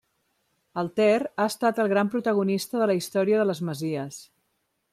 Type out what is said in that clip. El Ter ha estat el gran protagonista de la història de les Masies.